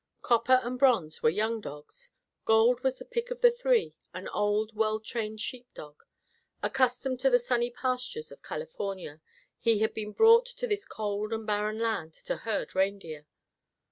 Copper and Bronze were young dogs. Gold was the pick of the three; an old, well trained sheep dog. Accustomed to the sunny pastures of California, he had been brought to this cold and barren land to herd reindeer.